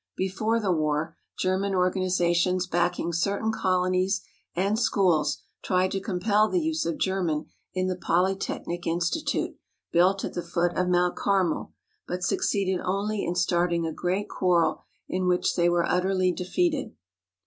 Before the war, German organ izations backing certain colonies and schools tried to compel the use of German in the Polytechnic Institute built at the foot of Mount Carmel, but succeeded only in starting a great quarrel in which they were utterly defeated.